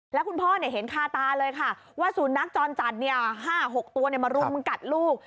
แล้วคุณพ่อเห็นคาตาเลยค่ะว่าสุนัขจรจัด๕๖ตัวมารุมมึงกัดลูก